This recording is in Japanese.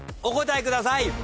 お答えください。